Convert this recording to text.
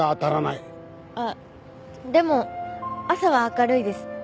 あっでも朝は明るいです。